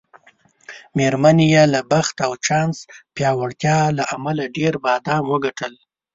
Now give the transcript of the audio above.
میرمنې یې له بخت او چانس پیاوړتیا له امله ډېر بادام وګټل.